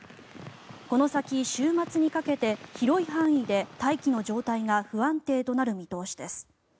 この先、週末にかけて広い範囲で大気の状態が不安定となる見通しです。